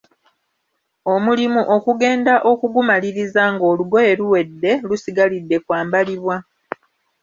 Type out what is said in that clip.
Omulimu okugenda okugumaliriza, ng'olugoye luwedde, lusigalidde kwambalibwa.